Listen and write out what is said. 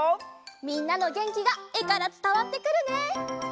みんなのげんきがえからつたわってくるね！